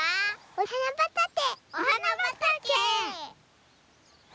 おはなばたけ！